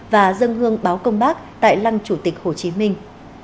và dân hương báo công bác tại lăng chủ tịch hồ chí minh